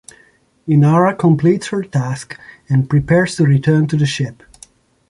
Inara completes her task and prepares to return to the ship.